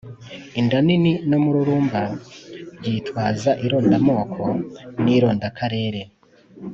inda nini n'umururumba byitwaza irondamoko n'irondakarere